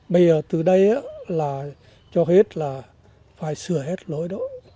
bây giờ từ đây là cho hết là phải sửa hết lỗi đó